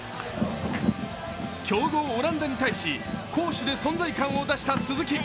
強豪・オランダに対し攻守で存在感を出した鈴木。